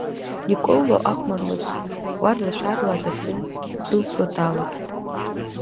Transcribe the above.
Николло ахәмарраз уарла-шәарла адәыхьы ддәылҵуа далагеит.